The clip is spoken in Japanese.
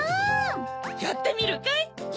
やってみるかい？